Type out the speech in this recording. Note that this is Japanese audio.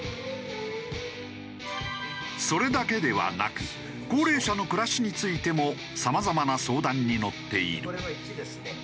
それだけではなく高齢者の暮らしについてもさまざまな相談に乗っている。